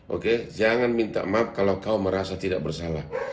oke jangan minta maaf kalau kau merasa tidak bersalah